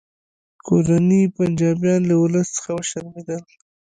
کورني پنجابیان له ولس څخه وشرمیدل